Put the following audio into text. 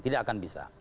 tidak akan bisa